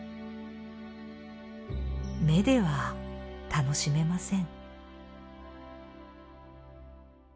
目では楽しめません。